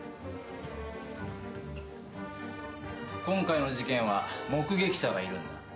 今回の事件は目撃者がいるんだ。